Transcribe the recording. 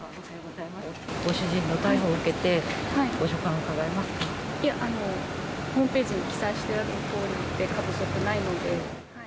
ご主人の逮捕を受けて、いや、あの、ホームページに記載してあるとおりで、過不足ないので。